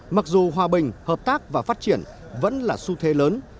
mặc dù hòa bình hợp tác và phát triển vẫn là xu thế lớn